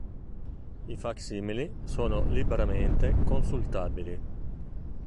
I fac-simili sono liberamente consultabili.